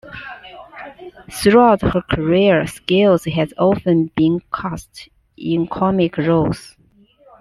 Throughout her career, Scales has often been cast in comic roles.